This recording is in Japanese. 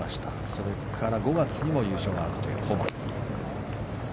それから５月にも優勝があったホマ。